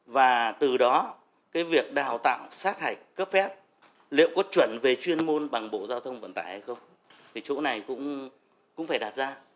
và từ đó cái việc đào tạo sát hạch cấp phép liệu có chuẩn về chuyên môn bằng bộ giao thông vận tải hay không thì chỗ này cũng phải đạt ra